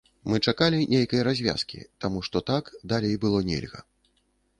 Мы чакалі нейкай развязкі, таму што так далей было нельга.